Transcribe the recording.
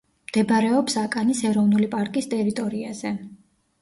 მდებარეობს აკანის ეროვნული პარკის ტერიტორიაზე.